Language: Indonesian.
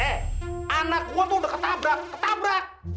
eh anak gue tuh udah ketabrak ketabrak